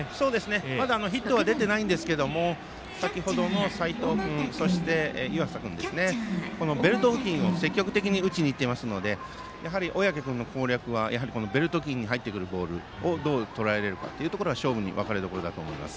まだヒットは出ていないんですけれども先程の齋藤君、湯浅君ベルト付近を積極的に打ちに行っていますのでやはり小宅君の攻略はベルト付近に入ってくるボールをどうとらえられるかが勝負の分かれどころだと思います。